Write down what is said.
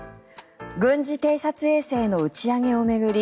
軍事偵察衛星の打ち上げを巡り